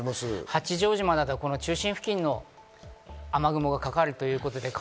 八丈島などでは中心に雨雲がかかるということで。